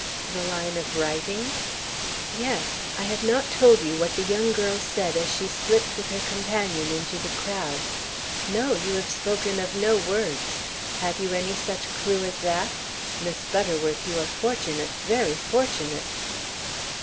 "The line of writing?" "Yes. I have not told you what the young girl said as she slipped with her companion into the crowd." "No; you have spoken of no words. Have you any such clew as that? Miss Butterworth, you are fortunate, very fortunate."